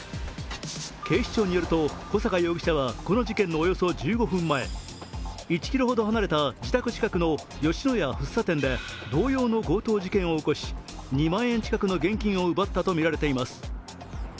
警視庁によると、小阪容疑者はこの事件のおよそ１５分前、１ｋｍほど離れた自宅近くの吉野家福生店で同様の強盗事件を起こし、２万円近くの現金を奪ったとみられています。